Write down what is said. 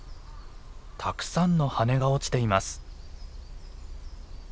たくさんの羽根が落ちています。